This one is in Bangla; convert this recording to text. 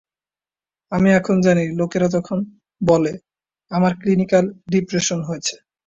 আমি এখন জানি লোকেরা যখন বলে, 'আমার ক্লিনিকাল ডিপ্রেশন হয়েছে।